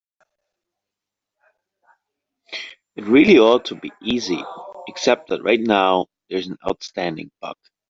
It really ought to be easy, except that right now there's an outstanding bug.